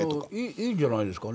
いいんじゃないですか。